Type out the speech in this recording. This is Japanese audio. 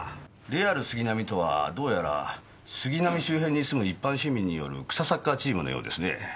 レアル・スギナミとはどうやら杉並周辺に住む一般市民による草サッカーチームのようですね。